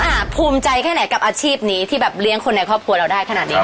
อเซ้นลูกผูมใจแค่ไหนกับที่รีงคนในบุคคลได้ขนาดนี้ครับ